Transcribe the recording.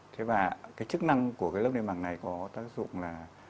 thế và cái chức năng của cái lớp liên mạc này có tác dụng là